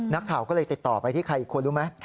นักข่าวก็เลยติดต่อไปที่ใครอีกคนรู้ไหม